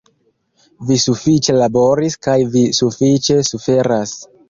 Vi sufiĉe laboris kaj Vi sufiĉe suferas!